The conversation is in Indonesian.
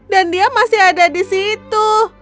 dan dia masih ada di situ